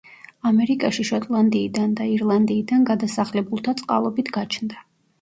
ამერიკაში შოტლანდიიდან და ირლანდიიდან გადასახლებულთა წყალობით გაჩნდა.